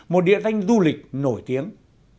một địa danh du lịch nổi tiếng